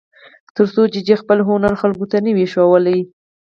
تر څو چې دې خپل هنر خلکو ته نه وي ښوولی.